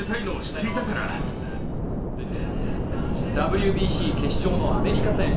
ＷＢＣ決勝のアメリカ戦。